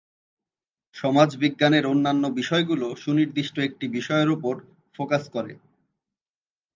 সমাজবিজ্ঞানের অন্যান্য বিষয়গুলো সুনির্দিষ্ট একটি বিষয়ের উপর ফোকাস করে।